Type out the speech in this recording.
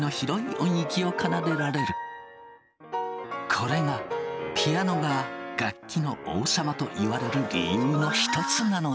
これがピアノが楽器の王様といわれる理由の一つなのだ。